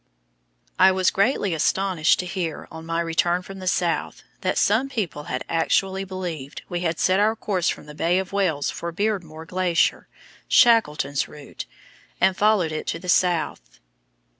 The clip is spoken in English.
I was greatly astonished to hear, on my return from the South, that some people had actually believed we had set our course from the Bay of Whales for Beardmore Glacier Shackleton's route and followed it to the south.